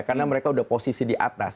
karena mereka sudah posisi di atas